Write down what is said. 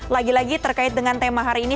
lagi lagi terkait dengan tema hari ini